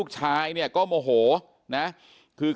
เป็นมีดปลายแหลมยาวประมาณ๑ฟุตนะฮะที่ใช้ก่อเหตุ